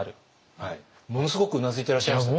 ものすごくうなずいてらっしゃいましたね。